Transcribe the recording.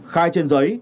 khai trên giấy